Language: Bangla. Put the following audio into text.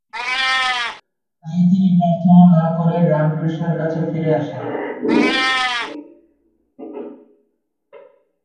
তাই তিনি প্রার্থনা না করেই রামকৃষ্ণের কাছে ফিরে আসেন।